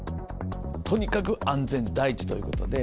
とにかく安全第一ということで、